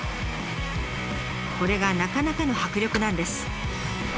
これがなかなかの迫力なんです。